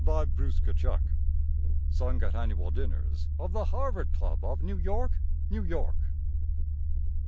HARVARD ODES. (SUNG AT ANNUAL DINNERS OF THE HARVARD CLUB OF New York. NEW YORK.)